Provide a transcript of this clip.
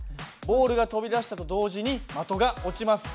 ボールが飛び出したと同時に的が落ちます。